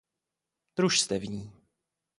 Družstevní.